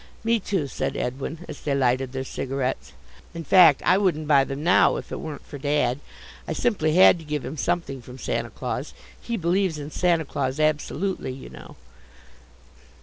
"Me too," said Edwin, as they lighted their cigarettes. "In fact, I wouldn't buy them now if it weren't for Dad. I simply had to give him something from Santa Claus. He believes in Santa Claus absolutely, you know."